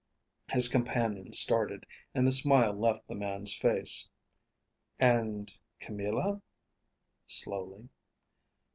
His companion started, and the smile left the man's face. "And Camilla?" slowly.